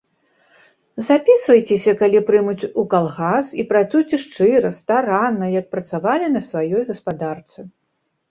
Запісвайцеся, калі прымуць, у калгас і працуйце шчыра, старанна, як працавалі на сваёй гаспадарцы.